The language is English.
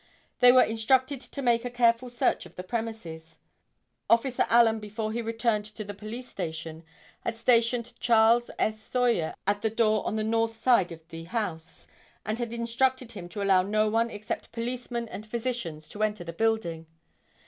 They were instructed to make a careful search of the premises. Officer Allen before he returned to the police station, had stationed Charles S. Sawyer at the door on the north side of the house, and had instructed him to allow no one except policemen and physicians to enter the building.